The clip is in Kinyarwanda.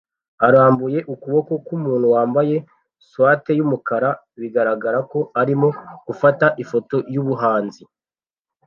arambuye ukuboko kumuntu wambaye swater yumukara bigaragara ko arimo gufata ifoto yubuhanzi